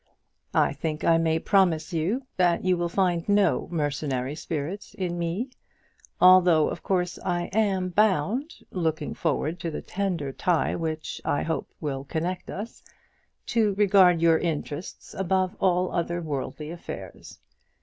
I think I may promise you that you will find no mercenary spirit in me, although, of course, I am bound, looking forward to the tender tie which will, I hope, connect us, to regard your interests above all other worldly affairs.